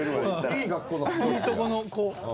いいとこの子。